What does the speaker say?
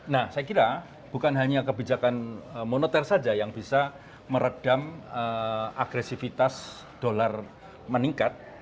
nah saya kira bukan hanya kebijakan moneter saja yang bisa meredam agresivitas dolar meningkat